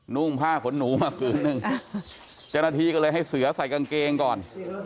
นุ่งผ้าขนหนูมาขืนจนนาทีเลยก็ให้เสือใส่กางเกงก่อน